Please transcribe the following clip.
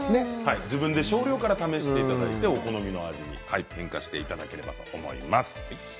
ご自分で少量から試していただいてお好みの味に変化していただければと思います。